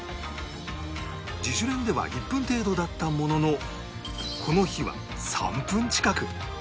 自主練では１分程度だったもののこの日は３分近く